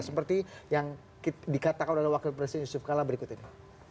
seperti yang dikatakan oleh wakil presiden yusuf kala berikut ini